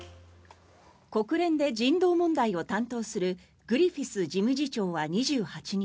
国連で人道問題を担当するグリフィス事務次長は２８日